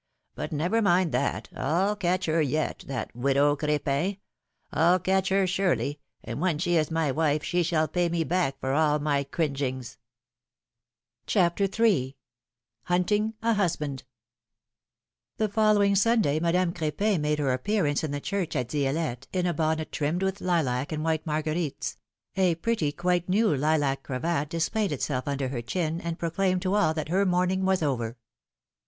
But never mind that, VW catch her yet, that widow Cr^pin — I'll catch her surely, and when she is my wife she shall pay me back for all my cringings." philomI:ne's marriages. 35 CHAPTER III, HUNTING A HUSBAND, HE following Sunday Madame Cr^pin made her A. appearance in the church at Di^lette, in a bonnet trimmed with lilac and white marguerites ; a pretty, quite new lilac cravat displayed itself under her chin, and pro claimed to all that her mourning was over.